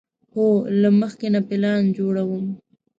هو، له مخکې نه پلان جوړوم